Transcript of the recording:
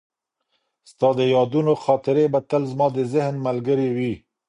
ستا د یادونو خاطرې به تل زما د ذهن ملګرې وي.